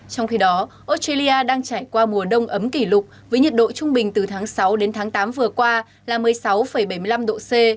trong khi đó australia đang trải qua mùa đông ấm kỷ lục với nhiệt độ trung bình từ tháng sáu đến tháng tám vừa qua là một mươi sáu bảy mươi năm độ c